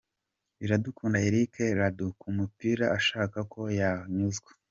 Iradukunda Eric Radou ku mupira ashaka aho yawunyuza .